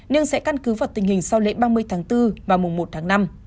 nhưng sẽ căn cứ vào tình hình sau lễ ba mươi tháng bốn và mùng một tháng năm